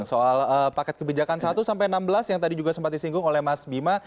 soal paket kebijakan satu sampai enam belas yang tadi juga sempat disinggung oleh mas bima